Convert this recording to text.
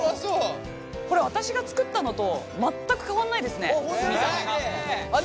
これ私が作ったのと全く変わんないですね見た目が。